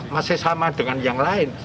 masih sama dengan yang lain